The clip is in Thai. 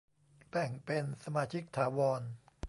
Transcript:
แบ่งเป็นสมาชิกถาวร